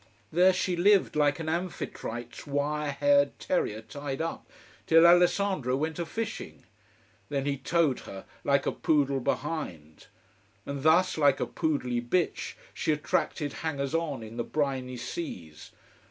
There she lived, like an Amphitrite's wire haired terrier tied up, till Alessandro went a fishing. Then he towed her, like a poodle behind. And thus, like a poodly bitch, she attracted hangers on in the briny seas.